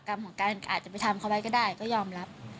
กรรมของการอาจจะไปทำเขาไว้ก็ได้ก็ยอมรับ